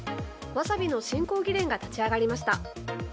ワサビの振興議連が立ち上がりました。